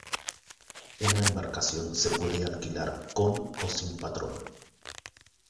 Una embarcación se puede alquilar con o sin patrón.